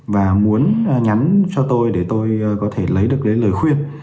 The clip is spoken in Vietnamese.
và muốn nhắn cho tôi để tôi có thể lấy được cái lời khuyên